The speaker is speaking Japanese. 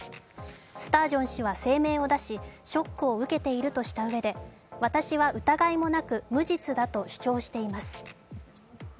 スタージョン氏は声明を出し、ショックを受けているとしたうえで私は疑いもなく無実だと主張しています。